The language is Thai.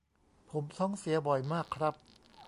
ผมท้องเสียบ่อยมากครับ